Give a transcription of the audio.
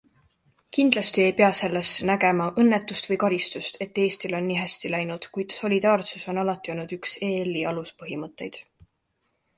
Kindlasti ei pea sellest nägema õnnetust või karistust, et Eestil on nii hästi läinud, kuid solidaarsus on alati olnud üks ELi aluspõhimõtteid.